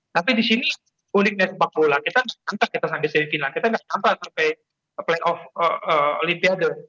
tapi di sini uniqueness sepak bola kita nggak sampai sampai seri final kita nggak sampai sampai playoff olimpiade